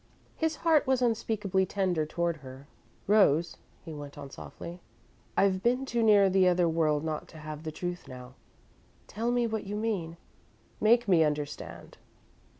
His heart was unspeakably tender toward her. "Rose," he went on, softly, "I've been too near the other world not to have the truth now. Tell me what you mean! Make me understand!"